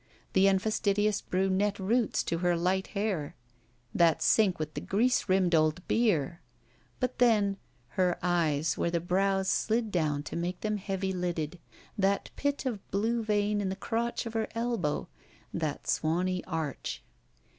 The unfastidious brunette roots to her light hair. That sink with the grease rimmed old beer! But then: her eyes where the brows slid down to make them heavy lidded. That bit of blue vein in the crotch of her elbow. That swany arch.